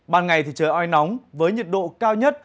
ban ngày thì trời oi nóng với nhiệt độ cao nhất